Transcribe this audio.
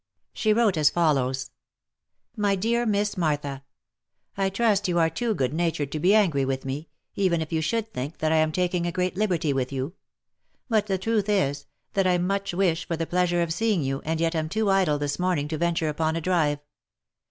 She wrote as follows :" My dear Miss Martha, " I trust you are too goodnatured to be angry with me, even if you should think that I am taking a great liberty with you. But the truth is, that I much wish for the pleasure of seeing you, and yet am too idle this morning to venture upon a drive.